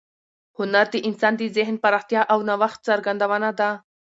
هنر د انسان د ذهن پراختیا او د نوښت څرګندونه ده.